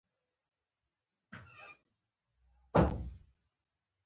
ناسم پوهاوی د شخړو لامل ګرځي.